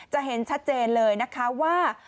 จะเห็นชัดเจนเลยนะคะว่า